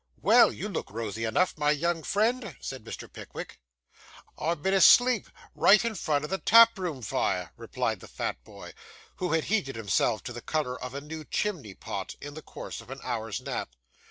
'Well, you look rosy enough, my young friend,' said Mr. Pickwick. 'I've been asleep, right in front of the taproom fire,' replied the fat boy, who had heated himself to the colour of a new chimney pot, in the course of an hour's nap.